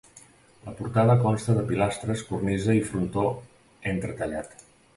La portada consta de pilastres, cornisa i frontó entretallat.